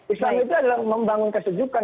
islam itu adalah membangun kesejukan